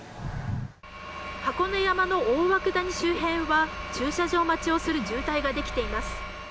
箱根山の大涌谷周辺は駐車場待ちをする渋滞ができています。